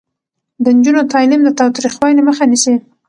د نجونو تعلیم د تاوتریخوالي مخه نیسي.